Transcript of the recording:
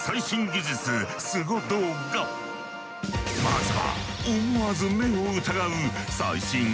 まずは。